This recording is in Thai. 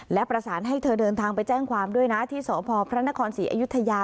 และประสานให้เธอเดินทางไปแจ้งความด้วยนะที่สพพระนครศรีอยุธยา